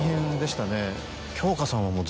京香さんは。